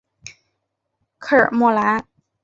科尔莫兰。